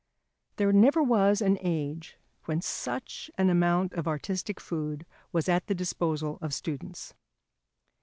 There never was an age when such an amount of artistic food was at the disposal of students.